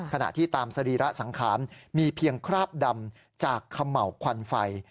ขณะที่ตามสรีระสังขารมีเพียงคราบดำจากเขม่าวควันไฟ